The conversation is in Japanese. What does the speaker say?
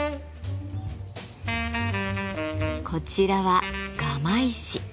こちらはガマ石。